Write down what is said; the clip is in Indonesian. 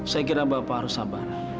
saya kira bapak harus sabar